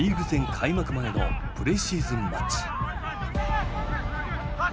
開幕前のプレシーズンマッチ。